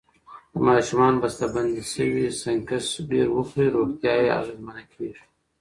که ماشومان بستهبندي شوي سنکس ډیر وخوري، روغتیا یې اغېزمنه کېږي.